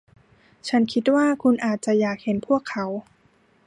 ฉันคิดว่าคุณอาจจะอยากเห็นพวกเขา